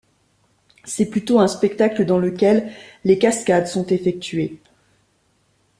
C'est plutôt un spectacle dans lequel les cascades sont effectuées.